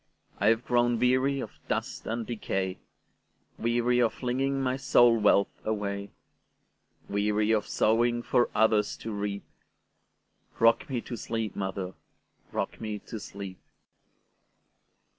I have grown weary of dust and decay,—Weary of flinging my soul wealth away; Weary of sowing for others to reap;—Rock me to sleep, mother,—rock me to sleep!